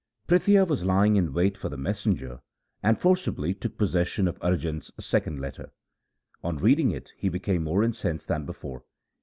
Prithia was lying in wait for the messenger and forcibly took possession of Arjan's second letter. On reading it he became more incensed than before.